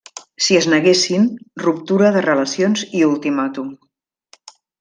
Si es neguessin, ruptura de relacions i ultimàtum.